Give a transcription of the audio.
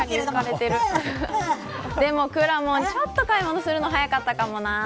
でも、くらもんちょっと買い物するの早かったかもな。